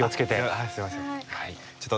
ああすいません。